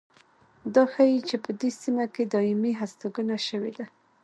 دا ښيي چې په دې سیمه کې دایمي هستوګنه شوې ده.